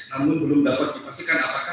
namun belum dapat dipastikan apakah